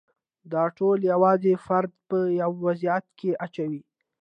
دا ټول یو ځای فرد په یو وضعیت کې اچوي.